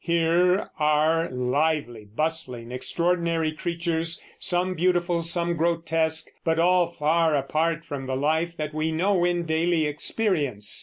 Here are lively, bustling, extraordinary creatures, some beautiful, some grotesque, but all far apart from the life that we know in daily experience.